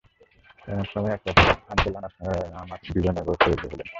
এমন সময় এক রাতে, আঙ্কেল আনোচ আমার জীবনের গল্পে উদয় এলো।